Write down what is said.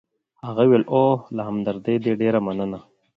هغه وویل: اوه، له همدردۍ دي ډېره مننه.